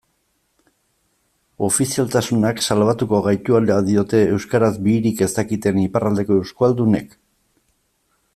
Ofizialtasunak salbatuko gaituela diote euskaraz bihirik ez dakiten iparraldeko euskualdunek?